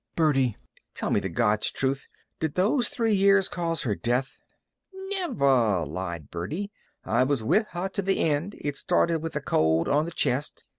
"Birdie, tell me the God's truth. Did those three years cause her death?" "Niver!" lied Birdie. "I was with her to the end. It started with a cold on th' chest.